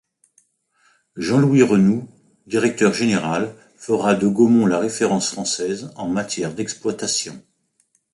Jean-Louis Renoux, directeur général, fera de Gaumont la référence française en matière d'exploitation.